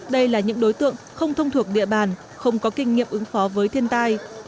đây là những đối tượng không thông thuộc địa bàn không có kinh nghiệm ứng phó với thiên tai